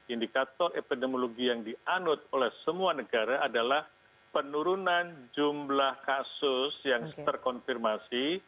indikator epidemiologi yang dianut oleh semua negara adalah penurunan jumlah kasus yang terkonfirmasi